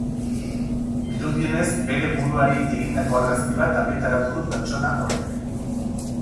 Dirudienez, bere buruari egindako argazki bat argitaratu du pertsona horrek.